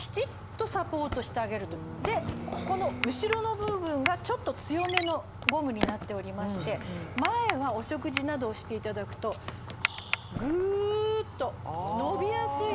でここの後ろの部分がちょっと強めのゴムになっておりまして前はお食事などをしていただくとぐっと伸びやすい。